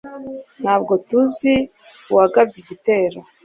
Ntabwo tuzi uwagabye igitero